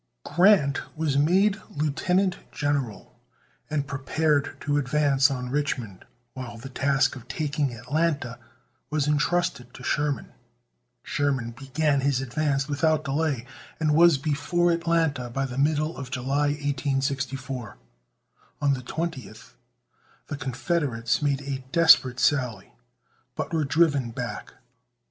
Grant was made lieutenant general, and prepared to advance on Richmond, while the task of taking Atlanta was intrusted to Sherman. Sherman began his advance without delay, and was before Atlanta by the middle of July, 1864. On the 20th the Confederates made a desperate sally, but were driven back.